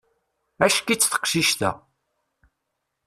Ack-itt taqcict-a.